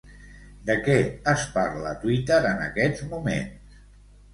De què es parla a Twitter en aquests moments?